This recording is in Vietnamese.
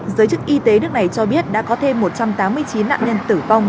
giới chức y tế nước này cho biết đã có thêm một trăm tám mươi chín nạn nhân tử vong